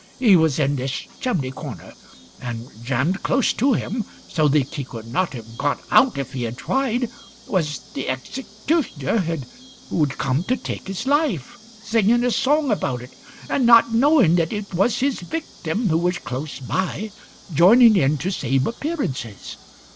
He was in this chimney corner; and, jammed close to him, so that he could not have got out if he had tried, was the executioner who'd come to take his life, singing a song about it, and not knowing that it was his victim who was close by, joining in to save appearances.